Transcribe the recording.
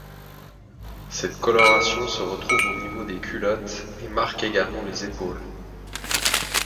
Cette coloration se retrouve au niveau des culottes et marque également les épaules.